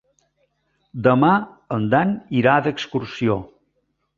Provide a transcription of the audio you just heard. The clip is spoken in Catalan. Demà en Dan irà d'excursió.